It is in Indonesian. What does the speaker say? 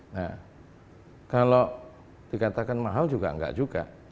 nah kalau dikatakan mahal juga enggak juga